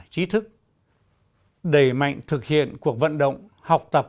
trí thức đẩy mạnh thực hiện cuộc vận động học tập